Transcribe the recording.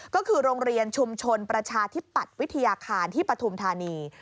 ก็คือโรงเรียนชุมชนประชาธิปัตย์วิทยาคารที่ปฐุมธานี